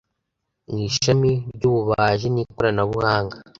mu ishami ry’ububaji n’ikoranabuhanga